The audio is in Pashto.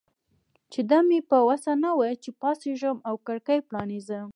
چې دا مې په وسه نه وه چې پاڅېږم او کړکۍ پرانیزم.